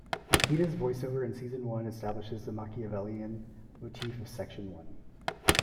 Nikita's voice-over in Season One establishes the Machiavellian motif of Section One.